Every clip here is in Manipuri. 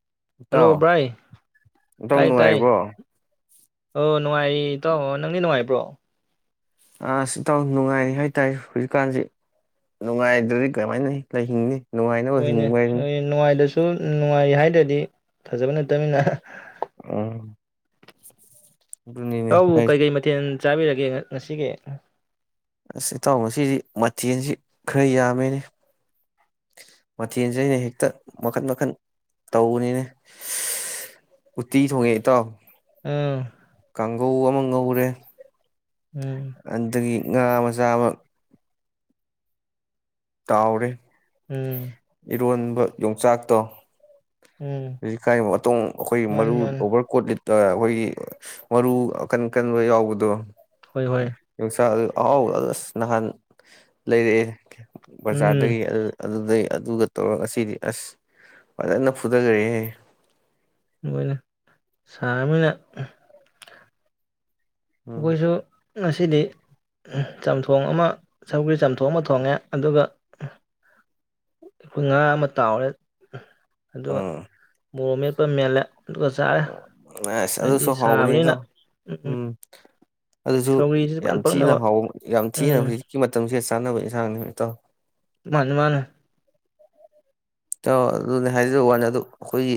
[inaudible] ꯍꯥꯂꯣ ꯏꯇꯥꯎ ꯕꯥꯏ ꯏꯇꯥꯎ ꯇꯥꯏ ꯇꯥꯏ ꯅꯨꯡꯉꯥꯏꯔꯤꯕ꯭ꯔꯣ [unintelligible] ꯅꯨꯪꯉꯥꯏꯔꯤ ꯦꯇꯥꯑꯣ ꯅꯥꯪꯗꯤ ꯅꯨꯉꯥꯏꯔꯤꯕꯔꯣ ꯏꯖ ꯏꯇꯥꯎ ꯅꯨꯉꯥꯏꯔꯤ ꯍꯥꯏꯠꯔꯦ ꯍꯧꯖꯤꯀꯅꯥꯁꯦ ꯅꯨꯪꯉꯥꯏꯠꯔꯗꯤ ꯀꯃꯥꯏꯅꯥ ꯍꯤꯪꯅꯤ ꯅꯨꯪꯉꯥꯏꯅꯕ ꯍꯤꯡꯕ ꯍꯥꯏꯗꯨꯅꯤ ꯑꯗꯨꯝ ꯅꯨꯡꯉꯥꯏ ꯍꯥꯏꯗꯔ꯭ꯗꯤ ꯐꯖꯕ ꯅꯠꯇꯕꯅꯤꯅ [unintelligible] ꯑꯗꯨꯅꯤꯅꯦ ꯑꯦꯌꯥꯑꯣꯕꯨ ꯍꯥꯏꯁꯦ ꯀꯩ ꯀꯩ ꯃꯊꯦꯜ ꯆꯕꯤꯔꯒꯦ ꯉꯁꯤꯒꯤ ꯎꯟ ꯑꯦꯌꯥꯎ ꯉꯥꯁꯤꯗꯤ ꯊꯦꯟꯁꯤ ꯈꯔꯥ ꯌꯥꯃꯦꯅꯦ ꯃꯊꯦꯟꯁꯦ ꯍꯦꯛꯇꯥ ꯃꯈꯥ ꯃꯈꯥ ꯇꯧꯕꯅꯤꯅꯦ ꯎꯇꯇꯤ ꯊꯣꯪꯒꯦ ꯑꯦꯔꯥꯑꯣ ꯎꯝ ꯀꯥꯡꯒꯧ ꯑꯃ ꯉꯧꯔꯦ ꯎꯝ ꯑꯗꯒꯤ ꯉꯥ ꯃꯆꯥ ꯑꯃꯥ ꯌꯥꯑꯣꯔꯦ ꯎꯟ [unintelligible] ꯌꯣꯡꯆꯥꯛꯇꯣ [unintelligible] [unintelligible] ꯃꯥꯅꯤ ꯃꯥꯅꯤ ꯃꯔꯨ ꯑꯀꯟ ꯑꯀꯟꯕ ꯌꯥꯑꯣꯕꯗꯣ [unintelligible] ꯍꯣꯏ ꯍꯣꯏ ꯑꯍꯥꯎꯕꯗ ꯎꯁ ꯅꯍꯥꯟ ꯂꯩꯔꯛꯑꯦ ꯎꯝ ꯕꯥꯖꯔꯗꯒꯤ ꯑꯗꯨꯗꯩꯩ ꯑꯗꯨꯒꯥ ꯇꯧꯔꯥ ꯉꯑꯁꯤꯗꯤ ꯎꯗ ꯐꯖꯅꯥ ꯐꯨ [unintelligible] ꯍꯧꯅꯦ ꯁꯔꯥꯃꯤꯅꯥ ꯎꯝ ꯑꯈꯣꯏꯁꯨ ꯉꯁꯤꯗꯤ ꯆꯝꯊꯣꯡ ꯑꯃ ꯁꯧꯒꯔ꯭ꯤ ꯆꯝꯊꯣꯟ ꯑꯃꯥ ꯊꯣꯉꯏ ꯑꯗꯨꯒꯥ ꯉꯥ ꯑꯃꯥ ꯌꯥꯑꯣꯔꯦ ꯑꯗꯣ ꯃꯣꯃꯦ ꯃꯦꯟꯂꯦ ꯎꯁ ꯑꯗꯨꯁꯨ ꯍꯥꯎꯕꯅꯤ ꯁꯥꯕꯅꯤꯅ ꯏꯇꯥꯎ ꯎꯝ ꯑꯗꯨꯁꯨ ꯁꯧꯒ꯭ꯔꯤꯁꯤ ꯐꯟ ꯌꯥꯝ ꯊꯤꯅ ꯄꯛꯅꯕ ꯍꯥꯎ ꯌꯥꯝ ꯊꯤꯅ ꯎꯝ ꯍꯧꯖꯤꯛꯀꯤ ꯃꯇꯝ [unintelligible] ꯆꯥꯟꯅꯕ ꯏꯟꯁꯥꯡꯅꯤ ꯏꯇꯥꯎ ꯃꯥꯅꯦ ꯃꯥꯅꯦ ꯏꯇꯥꯎ ꯑꯗꯨꯅꯦ ꯍꯥꯏꯖ ꯋꯥꯅꯦ ꯑꯗꯣ ꯑꯈꯣꯏ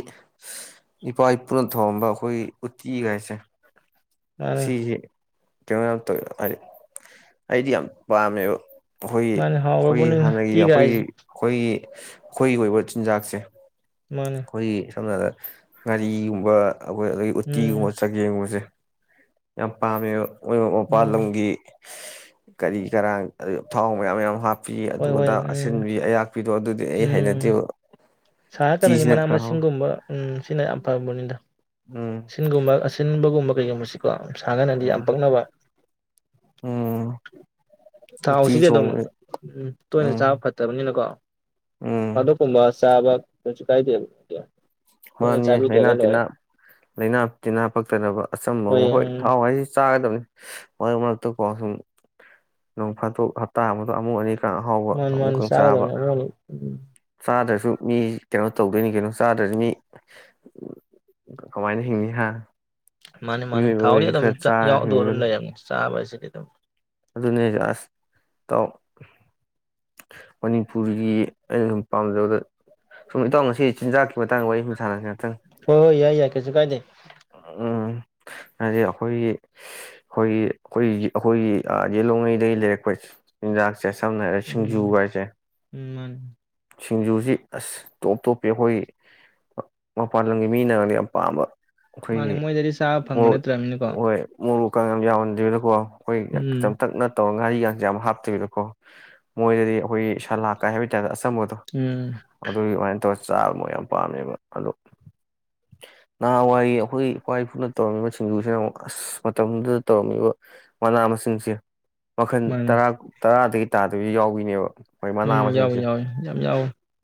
ꯏꯄꯥ ꯏꯄꯨꯅ ꯊꯣꯡꯉꯝꯕ ꯑꯈꯣꯏ ꯎꯇꯤ ꯒꯥꯏꯁꯦ ꯃꯥꯅꯦ ꯁꯤꯁꯦ ꯀꯩꯅꯣꯌꯥꯝ ꯇꯧ ꯍꯥꯏ ꯑꯩꯗꯤ ꯌꯥꯝ ꯄꯥꯝꯃꯦꯕ ꯑꯈꯣꯏꯒꯤ ꯃꯥꯅꯦ ꯑꯈꯣꯏ ꯍꯥꯎꯔꯕꯅꯤꯅ ꯍꯥꯟꯅꯒꯤ ꯑꯈꯣꯏꯒꯤ ꯎꯇꯤꯒꯥꯏꯁꯦ ꯑꯈꯣꯏꯒꯤ ꯑꯩꯈꯣꯏꯒꯤ ꯑꯣꯏꯕ ꯆꯤꯟꯖꯥꯛꯁꯦ ꯃꯥꯅꯦ ꯈꯣꯏꯒꯤ ꯁꯝꯅ ꯍꯥꯏꯔꯕꯗ ꯉꯔꯤꯒꯨꯝꯕ ꯑꯈꯣꯏ ꯑꯗꯒꯤ ꯎꯝ ꯎꯠꯇꯤꯒꯨꯝꯕ ꯆꯒꯨꯝꯕꯁꯦ ꯌꯥꯝ ꯄꯥꯃꯦꯕ ꯃꯣꯏ ꯃꯄꯥꯟ ꯎꯝ ꯂꯝꯒꯤ ꯀꯔꯤ ꯀꯔꯥꯡ ꯊꯥꯎ ꯃꯌꯥꯝ ꯌꯥꯝꯌꯥꯝ ꯍꯥꯞ ꯄꯤ ꯍꯣꯏ ꯍꯣꯏ ꯑꯗꯨꯗ ꯎꯝ ꯑꯁꯤꯟꯕꯤ ꯑꯌꯥꯛꯄꯤꯗꯣ ꯑꯗꯨꯗꯤ ꯑꯩ ꯍꯩꯅꯗꯦꯕ ꯁꯥ ꯀꯥꯟꯅꯅꯤ ꯎꯇꯤꯁꯤꯅ ꯃꯅꯥ ꯈꯔ ꯍꯥꯎꯋꯤ ꯃꯁꯤꯡꯒꯨꯝꯕ ꯎꯝ ꯁꯤꯅ ꯌꯥꯝ ꯐꯕꯅꯤꯗ ꯎꯝ ꯁꯤꯟꯒꯨꯝꯕ ꯑꯁꯤꯟꯕꯒꯨꯝꯕ [unintelligible] ꯀꯣ ꯁꯥꯒꯟꯗꯤ ꯌꯥꯝ ꯎꯝ ꯄꯛꯅꯕ ꯎꯝ ꯎꯇꯤ ꯊꯥꯎꯁꯤꯗꯤ ꯑꯗꯨꯝ ꯊꯣꯡꯕ ꯇꯣꯏꯅ ꯆꯥꯕ ꯎꯝ ꯐꯠꯇꯕꯅꯤꯅꯀꯣ ꯎꯝ ꯑꯗꯨꯒꯨꯝꯕ ꯀꯩꯁꯨ ꯀꯥꯏꯗꯦꯕ ꯇꯣꯏꯅ ꯃꯥꯅꯤ ꯂꯥꯏꯅꯥ ꯆꯥꯕꯤꯗ꯭ꯔꯒ ꯇꯤꯟꯅꯥ ꯂꯣꯏꯔꯦ ꯂꯥꯏꯅꯥ ꯇꯤꯟꯅꯥ ꯄꯛꯇꯅꯕ ꯑꯆꯝꯕꯒꯨꯝꯕ ꯍꯣꯏ ꯊꯥꯎ ꯍꯥꯏꯁꯤ ꯆꯥꯒꯗꯕꯅꯤ ꯃꯔꯛ ꯃꯔꯛꯇꯀꯣ ꯁꯨꯝ ꯅꯣꯡ ꯐꯥꯠꯇꯣꯛ ꯍꯞꯇꯥ ꯑꯃꯗ ꯑꯃꯨꯛ ꯑꯅꯤ ꯃꯥꯥꯅꯤ ꯃꯥꯥꯅꯤ ꯆꯥꯒꯗꯕꯅꯤ ꯑꯃꯅꯤ ꯆꯥꯗ꯭ꯔꯁꯨ ꯃꯤ ꯀꯩꯅꯣ ꯇꯧꯗꯣꯏꯅꯤ ꯀꯩꯅꯣ ꯆꯥꯗ꯭ꯔꯁꯨ ꯃꯤ ꯀꯃꯥꯏꯅ ꯍꯤꯡꯅꯤ ꯍꯥꯥ ꯃꯥꯅꯤ ꯃꯥꯅꯤ ꯊꯥꯎꯗꯤ ꯑꯗꯨꯝ ꯌꯥꯎꯗ ꯑꯗꯨꯝ ꯍꯤꯡꯗꯣꯏꯅꯤ ꯂꯩꯔꯝꯃꯦ ꯆꯥꯕꯁꯤ ꯗꯝ ꯑꯗꯨꯅꯦ ꯑꯁ ꯏꯇꯥꯎ ꯃꯅꯤꯄꯨꯔꯒꯤ ꯑꯩꯅ ꯁꯨꯝ ꯄꯥꯝꯖꯕꯗ ꯁꯨꯝ ꯏꯇꯥꯎ ꯉꯁꯤ ꯆꯤꯟꯖꯥꯛꯀꯤ ꯃꯇꯥꯡꯗ ꯋꯥꯔꯤ ꯁꯥꯟꯅꯁꯤ ꯉꯥꯛꯇꯪ ꯍꯣꯏ ꯍꯣꯏ ꯌꯥꯏ ꯌꯥꯏ ꯀꯩꯁꯨ ꯀꯥꯏꯗ ꯎꯝ ꯍꯥꯏꯗꯤ ꯑꯈꯣꯏꯒꯤ ꯑꯈꯣꯏꯒꯤ ꯑꯈꯣꯏ ꯑꯈꯣꯏꯒꯤ ꯌꯦꯂꯣꯡꯉꯩꯗꯒꯤ ꯂꯩꯔꯛꯄ ꯆꯤꯟꯖꯥꯛ ꯁꯦ ꯁꯝꯅꯔꯦ ꯁꯤꯡꯖꯨ ꯎꯝ ꯒꯥꯏꯁꯦ ꯎꯝ ꯃꯥꯅꯤ ꯁꯤꯡꯖꯨꯁꯤ ꯑꯁ ꯇꯣꯞ ꯇꯣꯞꯄꯤ ꯑꯩꯈꯣꯏ ꯃꯄꯥꯟ ꯂꯝꯒꯤ ꯃꯤꯅꯗ ꯌꯥꯝ ꯄꯥꯝꯕ ꯃꯥꯅꯤ ꯑꯩꯈꯣꯏꯒꯤ ꯃꯣꯏꯗꯗꯤ ꯆꯥꯕ ꯐꯪꯕ ꯅꯠꯇ꯭ꯔꯅꯤꯅꯀꯣ [unintelligible] ꯀ ꯌꯥꯝ ꯌꯥꯎꯍꯟꯗꯕꯅꯀꯣ ꯑꯩꯈꯣꯏ ꯆꯝꯇꯛꯅ ꯇꯧꯔꯒꯥ ꯉꯥꯔꯤꯒ ꯌꯥꯝ ꯍꯥꯞꯇꯣꯏꯕꯤꯗꯀꯣ ꯃꯣꯏꯗꯗꯤ ꯑꯩꯈꯣꯏꯒꯤ ꯁꯂꯥꯠꯀꯥ ꯍꯥꯌꯕꯒꯤ ꯎꯝ ꯇꯨꯄꯦꯇꯥ [unintelligible] ꯆꯥꯕ ꯃꯛ ꯌꯥꯝ ꯄꯥꯝꯃꯦꯕ ꯑꯗꯣ ꯅꯍꯥꯟꯋꯥꯏ ꯑꯩꯈꯣꯏꯒꯤ ꯏꯄꯥ ꯏꯄꯨꯅ ꯇꯧꯔꯝꯃꯤꯕ ꯁꯤꯡꯖꯨꯁꯤꯅ ꯑꯃꯨꯛ ꯑꯁ ꯃꯇꯝꯗꯨꯗ ꯇꯧꯔꯝꯃꯤꯕ ꯃꯅꯥ ꯃꯁꯤꯡꯁꯦ ꯃꯈꯟ ꯃꯥꯅꯤ ꯇꯔꯥ ꯇꯔꯥꯗꯒꯤ ꯇꯥꯗꯕꯤ ꯌꯥꯎꯏꯅꯦꯕ ꯎꯝ ꯌꯥꯎ ꯌꯥꯎ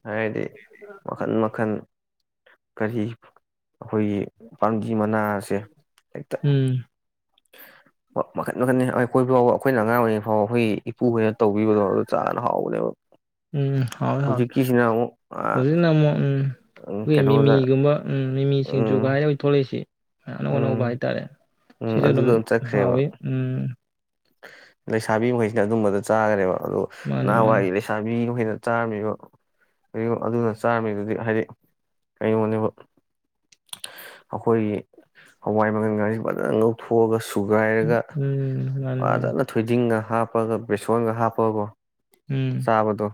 ꯍꯥꯏꯗꯤ ꯃꯈꯟ ꯃꯈꯟ ꯀꯔꯤ ꯑꯩꯈꯣꯏꯒꯤ ꯄꯥꯡꯕꯤ ꯁꯤꯁꯨ ꯃꯅꯥꯁꯦ ꯍꯦꯛꯇ ꯎꯝ ꯃꯈꯟ ꯃꯈꯟ ꯑꯩꯈꯣꯏ ꯐꯥꯎꯕ ꯑꯩꯈꯣꯏꯅ ꯑꯉꯥꯡ ꯑꯣꯏꯔꯤꯉꯩ ꯐꯥꯎꯕ ꯑꯩꯈꯣꯏ ꯏꯄꯨ ꯍꯣꯏꯅ ꯇꯧꯕꯤꯕꯗꯣ ꯑꯗꯨ ꯆꯥꯅ ꯍꯥꯎꯕꯅꯦꯕ ꯎꯝ ꯍꯣꯏꯣꯏ ꯍꯣꯏ ꯍꯧꯖꯤꯛꯀꯤꯁꯤꯅ ꯑꯃꯨꯛ ꯍꯧꯖꯤꯛꯅ ꯑꯃꯨꯛ ꯎꯝ ꯑꯩꯈꯣꯏꯒꯤ ꯀꯩꯅꯣꯗ ꯃꯤꯃꯤꯒꯨꯝꯕ ꯎꯝ ꯃꯤꯃꯤ ꯁꯤꯡꯖꯨ ꯎꯝ ꯀꯥꯏꯗ ꯊꯣꯛꯂꯛꯏꯁꯤ ꯑꯅꯧ ꯎꯝ ꯑꯅꯧꯕ ꯍꯥꯏꯇꯥꯔꯦ ꯎꯝ ꯁꯤꯖ ꯑꯗꯨꯝ ꯑꯗꯨꯗ ꯆꯠꯈ꯭ꯔꯦꯕ ꯍꯥꯎꯋꯏ ꯎꯝ ꯂꯩꯁꯥꯕꯤ ꯃꯈꯩꯁꯤꯅ ꯑꯗꯨꯝꯕꯗ ꯆꯥꯒꯅꯦꯕ ꯑꯗꯣ ꯃꯥꯅꯤ ꯃꯥꯅꯤ ꯅꯥꯍꯦꯅꯋꯥꯏ ꯂꯩꯁꯥꯕꯤ ꯑꯩꯈꯣꯏꯅ ꯆꯥꯔꯝꯃꯤꯕ ꯀ ꯑꯗꯨꯅ ꯆꯥꯔꯝꯃꯤꯗꯨꯗꯤ ꯍꯥꯏꯗꯤ ꯀꯔꯤꯒꯨꯝꯕꯅꯦꯕ ꯑꯩꯈꯣꯏꯒꯤ ꯍꯋꯥꯏ ꯃꯪꯒꯟꯒꯁꯤ ꯉꯧꯊꯣꯀꯥꯒꯥ ꯁꯨ ꯁꯨꯒꯥꯏꯔꯒ ꯎꯝ ꯃꯥꯅꯤ ꯃꯥꯅꯤ ꯐꯖꯅ ꯊꯣꯏꯗꯤꯡꯉ ꯍꯥꯞꯄꯒ ꯕꯦꯁꯣꯟꯒ ꯍꯥꯞꯄꯒꯥ ꯀꯦ ꯎꯝ ꯆꯥꯕꯗꯣ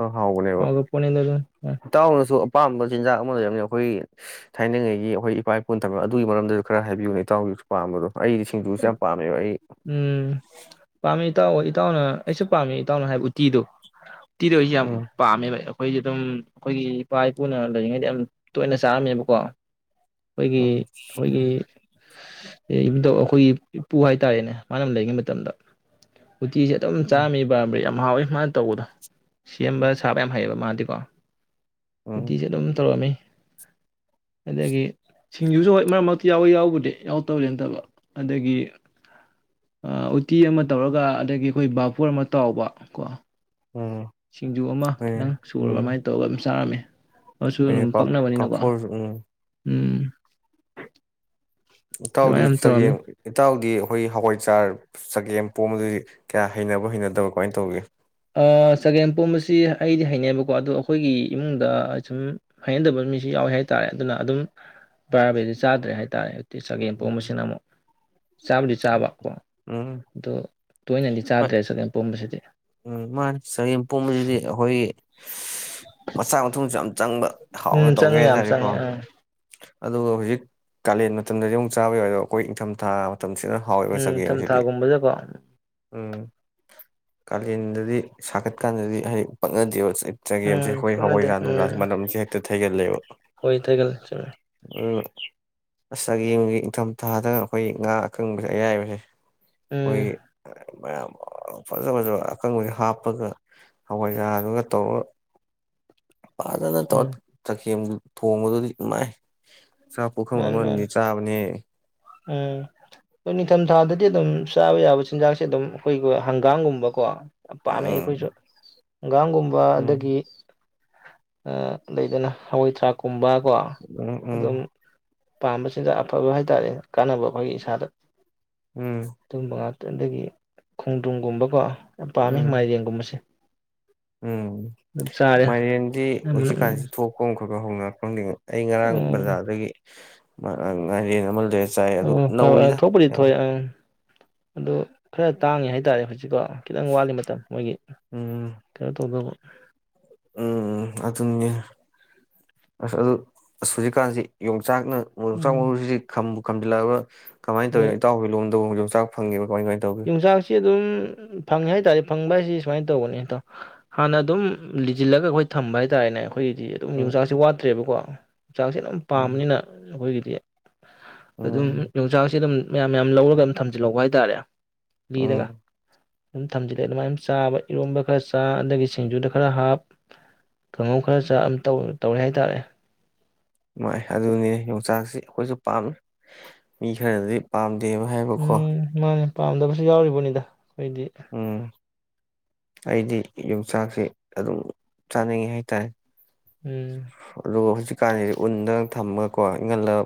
ꯑ ꯍꯥꯎꯕꯅꯦꯕ ꯍꯥꯎꯒ꯭ꯔꯄꯣꯠꯅꯤꯗ ꯑꯗꯨꯝ ꯏꯇꯥꯎꯅꯁꯨ ꯑꯄꯥꯝꯕ ꯆꯤꯟꯖꯥꯛ ꯑꯃ ꯂꯩꯔꯝꯅꯤ ꯑꯩꯈꯣꯏ ꯊꯥꯏꯅꯉꯩꯒꯤ ꯑꯩꯈꯣꯏ ꯏꯄꯥ ꯏꯄꯨꯟ ꯊꯝ ꯑꯗꯨꯒꯤ ꯃꯔꯝꯗ ꯈꯔ ꯍꯥꯏꯕꯤꯌꯨꯅꯦ ꯏꯇꯥꯎ ꯍꯧꯖꯤꯛꯁꯨꯥꯝꯕꯗꯣ ꯑꯩꯗꯤ ꯁꯤꯡꯖꯨꯁꯦ ꯌꯥꯝ ꯄꯥꯝꯃꯦꯕ ꯑꯩ ꯎꯝ ꯄꯥꯝꯃꯦ ꯏꯇꯥꯎ ꯑꯣꯏ ꯏꯇꯥꯎꯅ ꯑꯩꯁꯨ ꯄꯥꯝꯃꯦ ꯏꯇꯥꯎꯅ ꯍꯥꯏꯕ ꯎꯇꯤꯗꯣ ꯎꯠꯇꯤꯗꯨ ꯑꯩ ꯌꯥꯝ ꯎꯝ ꯄꯥꯝꯃꯦꯕꯥ ꯑꯩꯈꯣꯏꯗꯤ ꯑꯗꯨꯝ ꯑꯩꯈꯣꯏꯒꯤ ꯏꯄꯥ ꯏꯄꯨꯅ ꯂꯩꯔꯤꯉꯩꯗ ꯑꯗꯨ ꯇꯣꯏꯅ ꯆꯥꯔꯝꯃꯦꯕꯀꯣ ꯑꯩꯈꯣꯏꯒꯤ ꯎꯝ ꯑꯩꯈꯣꯏꯒꯤ ꯏꯕꯨꯗꯧ ꯑꯩꯈꯣꯌꯒꯤ ꯑꯦꯄꯨꯍꯥꯏ ꯇꯥꯏꯅꯦ ꯃꯥꯅ ꯂꯩꯉꯩ ꯃꯇꯝꯗ ꯎꯇꯤꯁꯦ ꯑꯗꯨꯝ ꯎꯝ ꯆꯥꯝꯃꯤ ꯄꯥꯝꯕ꯭ꯔ ꯌꯥꯝ ꯍꯥꯎꯏ ꯃꯥꯅ ꯇꯧꯕꯗꯣ ꯁꯦꯝꯕ ꯁꯥꯕ ꯌꯥꯝ ꯍꯩꯌꯦꯑꯕ ꯃꯥ ꯀꯣ ꯁꯨꯇꯤꯁꯦ ꯑꯗꯨꯝ ꯇꯧꯔꯝꯃꯤ ꯑꯗꯒꯤ ꯁꯤꯡꯖꯨꯁꯨ ꯍꯣꯏ ꯃꯔꯛ ꯃꯔꯛꯇ ꯌꯥꯎꯋꯦ ꯌꯥꯎꯕꯗꯤ ꯌꯥꯎꯗꯕꯗꯤ ꯅꯠꯇꯕ ꯑꯗꯒꯤ ꯎꯇꯤ ꯑꯃ ꯇꯧꯔꯒ ꯑꯗꯒꯤ ꯑꯩꯈꯣꯏ ꯕꯥꯄꯣꯔ ꯑꯃ ꯇꯥꯎꯕ ꯀꯣ ꯎꯝ ꯁꯤꯡꯖꯨ ꯑꯃ ꯎꯝ ꯈꯤꯇꯪ ꯁꯨꯔꯕ ꯑꯗꯨꯃꯥꯏꯅ ꯇꯧꯔꯒ ꯑꯝ ꯆꯥꯔꯝꯃꯦ ꯑꯗꯨꯁꯨ ꯍꯣꯋꯦ ꯑꯗꯨꯝ ꯄꯥ ꯄꯛꯅꯕꯅꯤꯅꯀꯣ ꯄꯥꯐꯣꯔꯁꯨ ꯎꯝ ꯎꯝ ꯏꯇꯥꯎꯗꯤ ꯑꯗꯨꯃꯥꯏꯅ ꯑꯗꯨꯝ ꯇꯧꯔꯝꯃꯤ ꯆꯒꯦꯝ ꯏꯇꯥꯎꯗꯤ ꯑꯈꯣꯏꯒꯤ ꯍꯋꯥꯏꯖꯥꯔ ꯆꯒꯦꯝꯄꯣꯝꯕꯗꯨꯗꯤ ꯀꯌꯥ ꯍꯩꯅꯕ꯭ꯔꯣ ꯍꯩꯅꯗꯕꯢꯔꯣ ꯀꯃꯥꯏ ꯇꯧꯒꯦ ꯑꯥ ꯆꯒꯦꯝꯄꯣꯝꯕꯁꯤ ꯑꯩꯗꯤ ꯍꯩꯅꯩꯌꯦꯕꯀꯣꯑꯗꯣ ꯑꯈꯣꯏꯒꯤ ꯏꯃꯨꯡꯗ ꯁꯨꯝ ꯍꯩꯅꯗꯕ ꯃꯤꯁꯨ ꯌꯥꯎꯋꯦ ꯍꯥꯏꯇꯥꯔꯦ ꯑꯗꯨꯅ ꯑꯗꯨꯝ [unintelligible] ꯆꯥꯗ꯭ꯔꯦ ꯍꯥꯏꯇꯥꯔꯦ꯫ ꯆꯒꯦꯝꯄꯣꯝꯕ ꯁꯤꯅ ꯑꯃꯨꯛ ꯆꯥꯕꯨꯗꯤ ꯆꯥꯕ ꯀꯣ ꯎꯝ ꯑꯗꯣ ꯇꯣꯏꯅꯗꯤ ꯍꯣꯏ ꯆꯥꯗ꯭ꯔꯦ ꯆꯒꯦꯝꯄꯣꯝꯕꯁꯤꯗꯤ ꯎꯝ ꯃꯥꯅꯤ ꯆꯒꯦꯝꯄꯣꯝꯕ ꯁꯤꯗꯤ ꯑꯈꯣꯏꯒꯤ [unintelligible] ꯃꯆꯥꯛ ꯃꯊꯨꯝꯁꯨ ꯌꯥꯝ ꯆꯥꯕ ꯍꯥꯎꯅ ꯎꯝ ꯇꯧꯒꯦ ꯆꯪꯉꯤ ꯍꯥꯏ ꯌꯥꯝ ꯇꯥꯗꯤ ꯀꯣ ꯆꯪꯉꯤ ꯎꯝ ꯑꯗꯨꯒ ꯍꯧꯖꯤꯛ ꯀꯥꯂꯦꯟ ꯃꯇꯝꯗꯗꯤ ꯑꯃꯨꯛ ꯆꯥꯕ [unintelligible] ꯑꯈꯣꯏ ꯏꯪꯊꯝꯊꯥ ꯇꯝꯁꯤꯅ ꯍꯥꯎꯋꯦꯕ ꯎꯝ ꯆꯒꯦꯝ ꯁꯤꯗꯤ ꯅꯤꯡꯊꯝꯊꯥꯒꯨꯝꯕꯗꯀꯣ ꯎꯝ ꯀꯥꯂꯦꯟꯗꯗꯤ ꯁꯥꯒꯠꯀꯥꯟꯗꯗꯤ ꯍꯥꯏꯗꯤ ꯄꯛꯅꯗꯦꯕ ꯆꯒꯦꯝꯁꯦ ꯎꯝ ꯑꯈꯣꯏ ꯀꯣꯟꯅꯗꯦ ꯍꯋꯥꯏꯖꯥꯔ ꯅꯨꯡꯖꯥꯔꯁꯦ ꯎꯝ ꯃꯅꯝꯁꯦ ꯍꯦꯛꯇ ꯊꯩꯒꯜꯂꯦꯕ ꯍꯣꯏ ꯊꯩꯒꯜꯂꯦ ꯆꯨꯝꯃꯦ ꯎꯝ ꯑꯁ ꯆꯒꯦꯝꯒꯤ ꯏꯪꯊꯝꯊꯥꯗ ꯑꯈꯣꯏꯒꯤ ꯉꯥ ꯑꯀꯪꯕ ꯑꯌꯥꯏꯕꯁꯦ ꯎꯝ ꯑꯈꯣꯏꯒꯤ ꯃꯌꯥꯝ ꯐꯖ ꯐꯖꯕ ꯑꯀꯪꯕ ꯍꯥꯞꯄꯒ ꯍꯋꯥꯏꯖꯥꯔ ꯗꯨꯒ ꯇꯧꯔꯒ ꯐꯥꯖꯅ ꯇꯧꯔ ꯎꯝ ꯆꯒꯦꯝ ꯊꯣꯡꯕꯗꯨꯗꯤ ꯏꯃꯥꯏ ꯆꯥꯛ ꯄꯨꯈꯝ ꯑꯃꯅꯤ ꯆꯥꯕꯅꯦ ꯑꯥ ꯗꯣ ꯅꯤꯡꯊꯝꯊꯥꯗꯗꯤ ꯑꯗꯨꯝ ꯆꯥꯕ ꯌꯥꯔ ꯆꯤꯟꯖꯥꯛꯁꯦ ꯑꯗꯨꯝ ꯑꯈꯣꯏ ꯍꯪꯒꯥꯝ ꯒꯨꯝꯕꯁꯦ ꯀꯣ ꯌꯥꯝ ꯄꯥꯝꯃꯦ ꯎꯝ ꯑꯩꯈꯣꯏꯁꯨ ꯍꯪꯒꯥꯝ ꯒꯨꯝꯕ ꯎꯝ ꯑꯗꯒꯤ ꯎꯝ ꯂꯩꯗꯅ ꯍꯋꯥꯏꯊ꯭ꯔꯥꯛ ꯀꯨꯝꯕ ꯀꯣ ꯎꯝ ꯎꯝ ꯑꯗꯨꯝ ꯄꯥꯟꯕ ꯆꯤꯟꯖꯥꯛ ꯑꯐꯕ ꯍꯥꯏꯇꯥꯔꯦ ꯀꯥꯟꯅꯕ ꯑꯈꯣꯏꯒꯤ ꯏꯁꯥꯗ ꯎꯝ꯫ ꯑꯗꯨꯝꯕ ꯉꯥꯛꯇ ꯑꯗꯒꯤ ꯈꯣꯡꯗ꯭ꯔꯨꯝꯒꯨꯝꯕ ꯀꯣ ꯌꯥꯝ ꯄꯥꯝꯃꯤ ꯎꯝ ꯃꯥꯏꯔꯦꯟꯒꯨꯝꯕꯁꯦ ꯎꯝ ꯑꯗꯨꯝ ꯆꯥꯔꯦ ꯃꯥꯏꯔꯦꯟꯗꯤ ꯑꯌꯥꯝꯕꯅ ꯍꯨꯖꯤꯛꯀꯥꯟꯖꯤ ꯊꯣꯛꯄꯃꯈꯛ [unintelligible] ꯑꯩ ꯉꯔꯥꯡ ꯎꯝ ꯕꯖꯥꯔꯗꯒꯤ [unintelligible] ꯎꯝ ꯍꯣꯏ ꯍꯣꯏ ꯅꯧꯔꯤꯗ ꯊꯣꯛꯄꯨꯗꯤ ꯌꯥꯝ ꯊꯣꯛꯑꯦ ꯑꯪ ꯑꯗꯣ ꯈꯔ ꯇꯥꯡꯉꯤ ꯍꯥꯏꯇꯥꯔꯦ ꯍꯧꯖꯤꯛ ꯁꯤꯗꯣ ꯈꯤꯇꯪ ꯋꯥꯠꯂꯤ ꯃꯇꯝ ꯃꯣꯏꯒꯤ ꯀꯩꯅꯣ ꯇꯧꯗꯧꯕ ꯎꯝ- ꯎꯝ- ꯑꯗꯨꯅꯦ ꯑꯁ ꯑꯗꯣ ꯑꯁ ꯍꯧꯖꯤꯛꯀꯥꯟꯖꯦ ꯌꯣꯡꯆꯥꯛ ꯆꯥꯛꯅ ꯌꯣꯡꯆꯥꯛ ꯎꯝ ꯃꯔꯨꯖꯤ ꯈꯝꯕ ꯂꯧꯁꯤꯟꯕ ꯉꯝꯗꯕ ꯀꯃꯥꯏ ꯍꯣꯏ ꯇꯧꯏꯅꯣ ꯏꯇꯥꯎꯒꯤ ꯂꯣꯟꯗꯨꯕꯣ ꯌꯣꯡꯆꯥꯛ ꯏꯇꯥꯎ ꯐꯪꯉꯦꯕ ꯀꯃꯥꯏ ꯀꯃꯥꯏ ꯇꯧꯒꯦ ꯎꯝ- ꯐꯪꯉꯦ ꯍꯥꯏꯇꯥꯔꯦ ꯐꯪꯕ ꯍꯥꯏꯖꯦ ꯁꯨꯃꯥꯏ ꯇꯧꯕꯅꯤ ꯏꯇꯥꯎ ꯍꯥꯟꯅ ꯑꯗꯨꯝ ꯂꯤꯖꯤꯜꯂꯒ ꯑꯈꯣꯏ ꯊꯝꯕ ꯍꯥꯏꯇꯥꯔꯦꯅꯦ ꯑꯈꯣ ꯑꯩꯈꯣꯏꯒꯤꯗꯤ ꯑꯗꯨꯝ ꯎꯝ ꯌꯣꯡꯆꯥꯛꯁꯦ ꯋꯥꯠꯇ꯭ꯔꯦꯕꯀꯣ ꯆꯥꯡꯁꯦ ꯑꯗꯨꯝ ꯎꯝ ꯄꯥꯝꯅꯤꯅ ꯑꯈꯣꯏꯒꯤ ꯇꯥꯕ ꯉꯝꯗꯕ ꯑꯗꯨꯝ ꯎꯝ ꯌꯣꯡꯆꯥꯛꯁꯦ ꯑꯗꯨꯝ ꯃꯌꯥꯝ ꯃꯌꯥꯝ ꯂꯧꯔꯒ ꯑꯝ ꯊꯝꯖꯤꯜꯍꯧꯕ ꯍꯥꯏꯇꯥꯔꯦ ꯎꯝ ꯏꯔꯒ ꯑꯗꯨꯝ ꯊꯝꯖꯤꯜꯂꯦ ꯑꯗꯨꯃꯥꯏ ꯑꯗꯨꯝ ꯆꯥꯕ ꯏꯔꯣꯟꯕ ꯈꯔ ꯆꯥ ꯑꯗꯒꯤ ꯁꯤꯡꯖꯨꯗ ꯈꯔ ꯍꯥꯞ ꯀꯥꯡꯍꯧ ꯈꯔ ꯆꯥ ꯑꯝ ꯇꯧ ꯇꯧꯔꯦ ꯍꯥꯏ ꯇꯥꯔꯦ ꯅꯨꯡꯉꯥꯏ ꯑꯗꯨꯅꯤꯅꯦ ꯌꯣꯡꯆꯥꯛꯁꯤ ꯑꯈꯣꯏꯖꯨ ꯄꯥꯝꯃꯤ ꯃꯤ ꯈꯔꯅꯗꯤ ꯄꯥꯝ ꯎꯝ ꯃꯥꯟꯅꯤ ꯄꯥꯝꯗꯕꯁꯨ ꯌꯥꯎꯔꯤ ꯄꯣꯠꯅꯤꯗ ꯑꯩꯗꯤ ꯎꯝ ꯑꯩꯗꯤ ꯌꯣꯡꯆꯥꯛꯁꯤ ꯑꯗꯨꯝ ꯆꯥꯅꯤꯡꯉꯤ ꯍꯥꯏꯇꯥꯏ ꯎꯝ ꯑꯗꯨꯕꯣ ꯍꯨꯖꯤꯛ ꯈꯥꯡꯉꯤꯖꯦ ꯎꯟꯗꯒ ꯊꯝꯃꯒ ꯀꯣ ꯏꯪꯍꯜꯂꯒ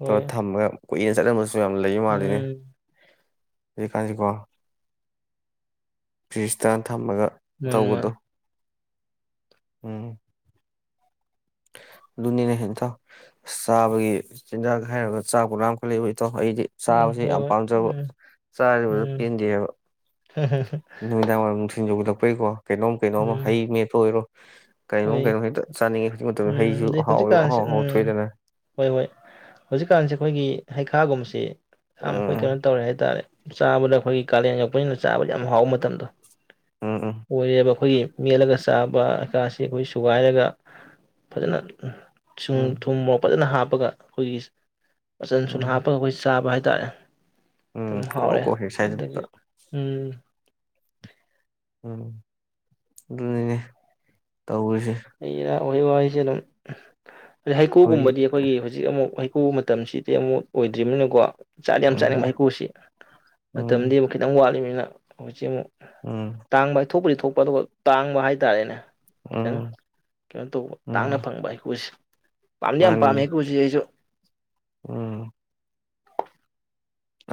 ꯍꯣꯏ ꯇꯣꯛꯑꯣ ꯊꯝꯃꯒ ꯀꯨꯏꯅ ꯁ ꯆꯠꯂꯝꯃꯁ ꯌꯥꯝ ꯂꯩꯕ ꯃꯥꯜꯂꯤꯅꯦ ꯎꯝ ꯑꯩꯅ ꯈꯜꯂꯤꯁꯤ ꯀꯣ [unintelligible] ꯐꯝꯃꯒ ꯃꯥꯅꯤ ꯊꯧꯕꯗꯨ ꯃꯥꯅꯤ ꯎꯝ ꯑꯗꯨꯅꯤꯅꯦ ꯍꯦꯟꯊꯧ ꯆꯥꯕꯒꯤ ꯆꯤꯟꯖꯥꯛ ꯍꯥꯏꯔꯨꯔꯒ ꯆꯥꯛꯄꯨ ꯂꯥꯝꯈꯠꯂꯛꯑꯦꯕꯣ ꯏꯇꯥꯎ ꯑꯩꯗꯤ ꯎꯝ ꯆꯥꯕꯕꯁꯤ ꯍꯣꯏ ꯌꯥꯝ ꯍꯣꯏ ꯄꯥꯝꯖꯕ ꯎꯝ ꯆꯥꯔꯤꯒꯩ ꯎꯝ ꯄꯦꯟꯗꯦꯕ ꯅꯨꯃꯤꯗꯥꯡꯋꯥꯏꯔꯝ ꯅꯨꯡꯊꯤꯜ ꯌꯧꯕꯗ ꯍꯣꯏꯀꯣ ꯀꯩꯅꯣꯝ ꯀꯩꯅꯣꯝꯃ ꯎꯝ ꯍꯩ ꯃꯦꯠꯇ ꯑꯣꯏꯔꯣ ꯀꯩꯅꯣꯝ ꯍꯣꯏ ꯀꯩꯅꯣꯝ ꯍꯦꯛꯇ ꯆꯥꯅꯤꯡꯉꯤ ꯍꯧꯖꯤꯛ ꯃꯇꯝꯗ ꯎꯝ ꯍꯩꯁꯨ ꯑꯗꯩ ꯑꯍꯥꯎ ꯍꯧꯖꯤꯛꯀꯥꯟꯁꯦ ꯑꯍꯥꯎ ꯑꯍꯥꯎ ꯎꯝ ꯊꯣꯛꯏꯗꯅ ꯍꯣꯏ ꯍꯣꯏ ꯍꯧꯖꯤꯛꯀꯥꯟꯁꯦ ꯑꯩꯈꯣꯏꯒꯤ ꯍꯩꯈꯥꯒꯨꯝꯕꯁꯤ ꯌꯥꯝ ꯑꯩꯈꯣꯏ ꯎꯝ ꯀꯩꯅꯣ ꯇꯧꯔꯦ ꯍꯥꯏꯇꯥꯔꯦ ꯆꯥꯕꯗ ꯑꯩꯈꯣꯏꯒꯤ ꯀꯥꯂꯦꯟ ꯌꯧꯛꯄꯅꯤꯅ ꯆꯥꯕꯗ ꯌꯥꯝ ꯍꯥꯎꯕ ꯃꯇꯝꯗꯣ ꯎꯝ ꯑꯣꯏꯔꯦꯕ ꯑꯩꯈꯣꯏꯒꯤ ꯃꯦꯠꯂꯒ ꯁꯥꯥꯕ ꯑꯀꯥꯁ ꯁꯤ ꯑꯩꯈꯣꯏ ꯁꯨꯒꯥꯏꯔꯒ ꯐꯖꯅ ꯨꯁꯨꯡ ꯎꯝ ꯊꯨꯝ ꯃꯣꯔꯣꯛ ꯐꯖꯅ ꯍꯥꯞ ꯍꯥꯞꯄꯒ ꯑꯩꯈꯣꯏꯒꯤ ꯃꯆꯟ ꯁꯨꯅ ꯎꯝ ꯍꯥꯞꯄꯒ ꯑꯩꯈꯣꯏ ꯆꯥꯕ ꯍꯥꯏ ꯇꯥꯛꯑꯦ ꯎꯝ ꯑꯗꯨꯝ ꯀ꯭ꯔꯣꯛ ꯍꯥꯎꯋꯦ ꯀ꯭ꯔꯣꯛ ꯍꯦꯛ ꯑꯗꯨꯗꯒꯤ ꯁꯥꯏꯗꯠꯄ ꯎꯝ ꯎꯝ ꯑꯗꯨꯅꯤꯅꯦ ꯇꯧꯔꯤꯁꯦ ꯍꯩ ꯔꯥ ꯎꯍꯩ ꯋꯥꯍꯩ ꯁꯤ ꯑꯗꯨꯝ ꯑꯗꯩ ꯍꯩꯀꯨꯒꯨꯝꯕꯗꯤ ꯑꯩꯈꯣꯏꯒꯤ ꯍꯧꯖꯤꯛ ꯑꯃꯨꯛ ꯍꯩ ꯀꯨ ꯃꯇꯝꯁꯤꯗꯤ ꯑꯃꯨꯛ ꯑꯣꯏꯗ꯭ꯔꯤꯕꯅꯀꯣ ꯆꯥꯗꯤ ꯌꯥꯝ ꯆꯥꯅꯤꯡꯕ ꯎꯝ ꯍꯩꯀꯨꯁꯤ ꯃꯇꯝꯗꯤ ꯎꯝ ꯑꯃꯨꯛ ꯈꯤꯇꯪ ꯋꯥꯠꯂꯤ ꯍꯧꯖꯤꯛ ꯑꯃꯨꯛ ꯎꯝ ꯇꯥꯡꯕ ꯊꯣꯛꯄꯗꯤ ꯊꯣꯛ ꯄ ꯑꯗꯨꯒ ꯇꯥꯡꯕ ꯍꯥꯏꯇꯥꯔꯦꯅꯦ ꯈꯤꯇꯪ ꯎꯝ ꯀꯩꯅꯣ ꯇꯧꯕ ꯎꯝ ꯇꯥꯡꯅ ꯐꯪꯕ ꯍꯩꯀꯨꯁꯦ ꯄꯥꯝꯗꯤ ꯌꯥꯝ ꯄꯥꯝꯃꯦ ꯃꯥꯅꯤꯅꯦ ꯍꯩꯀꯨꯁꯤ ꯑꯩꯁꯨ ꯎꯝ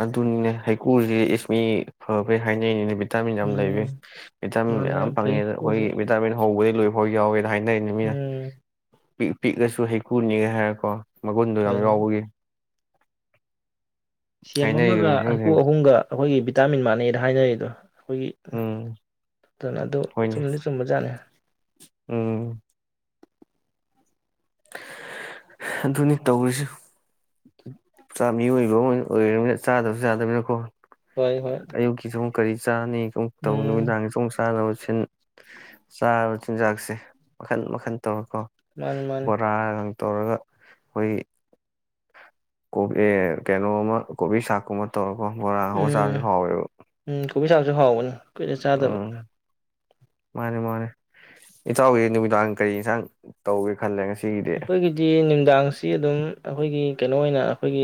ꯑꯗꯨꯅꯤꯅꯦ ꯍꯩꯀꯨꯁꯦ ꯏꯁ ꯃꯤ ꯐꯕꯩ ꯍꯥꯏꯅꯩꯅꯤꯅꯦ ꯚꯤꯇꯥꯃꯤꯟ ꯌꯥꯝ ꯂꯩꯕꯤ ꯎꯝ ꯚꯤꯇꯥꯃꯤꯟ ꯃꯥꯅꯦ ꯌꯥꯝꯌꯥꯝ ꯌꯥꯝ ꯐꯩ ꯐꯪꯉꯦ ꯍꯩꯀꯨꯁꯦ ꯑꯩꯈꯣꯏꯒꯤ ꯚꯤꯇꯥꯃꯤꯟ ꯍꯧꯕꯗꯒꯤ ꯂꯣꯏ ꯍꯎꯦ ꯍꯥꯏꯅꯔꯤꯅꯤ ꯃꯤꯅ ꯎꯝ ꯄꯤ ꯄꯤꯛꯑꯁꯨ ꯍꯦꯛꯣꯏꯅꯤꯉꯦꯍꯦꯔꯀꯣ ꯃꯒꯨꯟꯗꯨꯣ ꯌꯥꯝ ꯍꯣꯏ ꯍꯣꯏ ꯌꯥꯎꯕꯒꯤ ꯁꯦꯝ ꯑꯃꯒ ꯍꯥꯏꯅꯩꯗꯨꯅꯤ ꯍꯩꯀꯨ ꯈꯪꯁꯦꯡ ꯑꯍꯨꯝꯒ ꯑꯩꯈꯣꯏꯒꯤ ꯚꯤꯇꯥꯃꯤꯟ ꯃꯥꯟꯅꯩꯗ ꯍꯥꯏꯅꯔꯤꯗꯣ ꯑꯩꯈꯣꯏꯒꯤ ꯎꯝ ꯑꯗꯨꯅ ꯑꯗꯨ ꯍꯣꯏꯅꯦ ꯆꯨꯝꯗꯤ ꯆꯨꯝꯕꯖꯥꯠꯅꯤ ꯎꯝ ꯑꯗꯨꯅꯤ ꯇꯧꯔꯤꯁꯤ ꯃꯤꯑꯣꯏꯕ ꯑꯃ ꯑꯣꯏꯅ ꯑꯣꯏꯅꯤꯅ ꯆꯥꯗꯕꯁꯨ ꯌꯥꯥꯗꯕꯅꯤꯅꯀꯣ ꯍꯣꯏ ꯍꯣꯏ ꯑꯌꯨꯀꯤꯁꯨ ꯀꯔꯤ ꯆꯅꯤ ꯁꯨꯝ ꯇꯧ ꯎꯝ ꯅꯨꯃꯤꯗꯥꯡ ꯆꯨꯝ ꯆꯥꯅꯕ ꯁꯤꯟ ꯆꯥꯔꯕ ꯆꯤꯟꯖꯥꯛꯁꯦ ꯃꯈꯟ ꯃꯈꯟ ꯇꯧꯔꯦꯀꯣ ꯃꯥꯅꯤ ꯃꯥꯅꯤ ꯕꯣꯔꯥ ꯇꯧꯔꯒ ꯑꯩꯈꯣꯏꯒꯤ [unintelligible] ꯀꯩꯅꯣꯃ ꯀꯣꯕꯤ ꯁꯥꯀꯃ ꯇꯧꯔꯛ [unintelligible] ꯕꯣꯔꯥ ꯑꯣ ꯎꯝ ꯆꯥꯁꯨ ꯍꯥꯎꯋꯦꯕ ꯎꯝ ꯀꯣꯕꯤ ꯆꯥꯁꯨ ꯍꯥꯎꯅꯤ ꯀꯨꯏꯅ ꯆꯥꯗꯕ ꯃꯥꯅꯤ ꯃꯥꯅꯤ ꯏꯆꯥꯎꯒꯤ ꯅꯨꯃꯤꯗꯥꯡ ꯀꯔꯤ ꯏꯟꯁꯥꯡ ꯇꯧꯒꯦ ꯀꯅꯂꯦ ꯑꯩꯈꯣꯏꯒꯤꯗꯤ ꯃꯤꯗꯥꯡꯁꯤ ꯑꯗꯨꯝ ꯑꯩꯈꯣꯏꯒꯤ ꯀꯩꯅꯣ ꯑꯣꯏꯅ ꯑꯩꯈꯣꯏꯒꯤ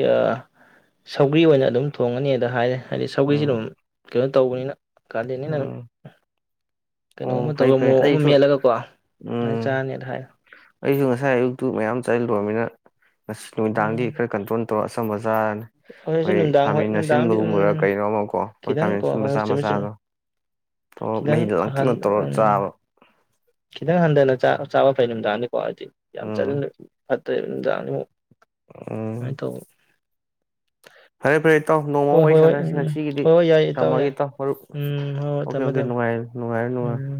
ꯁꯧꯒ꯭ꯔꯤ ꯑꯣꯏꯅ ꯑꯗꯨꯝ ꯊꯣꯡꯉꯅꯤ ꯑꯗ ꯍꯥꯏꯔꯦ ꯍꯥꯏꯗꯤ ꯁꯧꯒꯔ꯭ꯤꯁꯤ ꯎꯝ ꯑꯗꯨꯝ ꯀꯩꯅꯣ ꯇꯧꯕꯅꯤꯅ ꯀꯥꯂꯦꯟꯅꯤꯅ ꯎꯝ ꯀꯩꯅꯣꯝ ꯑꯣ ꯑꯃ ꯐꯩ ꯇꯧꯔꯒ ꯐꯩ ꯃꯣꯔꯣꯛ ꯑꯃ ꯑꯩꯁꯨ ꯃꯦꯠꯂꯒꯀꯣ ꯁꯨꯃꯥꯏꯅ ꯎꯝ ꯆꯥꯔꯅꯤꯅ ꯍꯥꯏ ꯑꯩꯁꯨ ꯉꯁꯥꯏ ꯑꯌꯨꯛꯇꯨ ꯃꯌꯥꯝ ꯆꯠꯂꯨꯨꯔꯃꯤꯅ ꯉ ꯅꯨꯃꯤꯗꯥꯡꯗꯤ ꯎꯝ ꯈꯔ ꯀꯟꯇ꯭ꯔꯣꯜ [unintelligible] ꯃꯆꯥ ꯍꯧꯖꯤꯛꯁꯨ ꯑꯩꯈꯣꯏ ꯅꯨꯡꯗꯥꯡ ꯍꯣꯏ ꯈꯥꯃꯦꯟ ꯅꯨꯡꯗꯥꯡꯗꯤ ꯑꯁꯤꯟꯕꯒꯨꯝꯕꯔꯥ ꯎꯝ ꯀꯩꯅꯣ ꯑꯃꯀꯣ ꯑꯩꯈꯣꯏ ꯈꯤꯇꯪ ꯈꯥꯃꯦꯟ ꯀꯣ ꯑꯁꯤꯟꯕ ꯍꯣꯏ ꯃꯆꯥ ꯍꯣꯏ ꯆꯨꯝꯃꯦ ꯆꯨꯝꯃꯦ ꯃꯆꯥꯗꯣ [unintelligible] ꯈꯤꯇꯪ ꯃꯍꯤꯗ‌ꯣ ꯂꯥꯡꯇꯛꯅ ꯇꯧꯔ ꯆꯥꯕ ꯈꯤꯗꯪ ꯍꯟꯗꯅ ꯆꯥꯕ ꯐꯩ ꯅꯨꯡꯗꯥꯡꯗꯤ [unintelligible] [unintelligible] [unintelligible] ꯎꯝ ꯅꯨꯡꯅꯥꯡꯗꯤꯃꯨꯛ ꯎꯝ ꯐꯔꯦ ꯐꯔꯦ ꯇꯥꯎ ꯅꯣꯡꯃ ꯍꯣꯏ ꯋꯥꯔꯤ ꯍꯣꯏ ꯍꯣꯏ ꯁꯥꯟꯅꯔꯁꯤ ꯎꯝ ꯉꯁꯤꯒꯤꯗꯤ ꯍꯣꯏ ꯍꯣꯏ ꯌꯥꯏ ꯊꯝꯃꯒꯦ ꯌꯥꯏ ꯏꯇꯥꯎ ꯃꯔꯨꯞ ꯎꯝ ꯍꯣꯏ ꯍꯣꯏ ꯑꯣꯀꯦ ꯊꯝꯃꯦ ꯑꯣꯀꯦ ꯊꯝꯃꯦ ꯅꯨꯡꯉꯥꯏꯔ ꯅꯨꯡꯉꯥꯏꯔꯣ ꯅꯨꯡꯉꯥꯏꯔꯣ ꯎꯝ